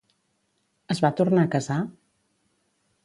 Es va tornar a casar?